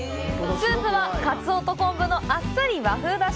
スープは、カツオと昆布のあっさり和風出汁。